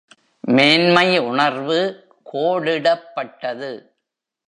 மேன்மை உணர்வு கோடிடப்பட்டது.